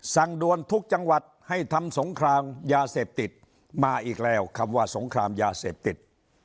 สั่งด่วนทุกจังหวัดให้ทำสงครามยาเสพติดมาอีกแล้วคำว่าสงครามยาเสพติด